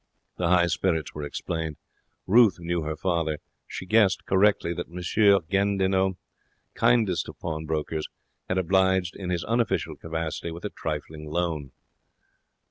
The high spirits were explained. Ruth knew her father. She guessed, correctly, that M. Gandinot, kindest of pawnbrokers, had obliged, in his unofficial capacity, with a trifling loan.